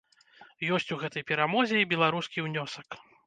Ёсць у гэтай перамозе і беларускі ўнёсак.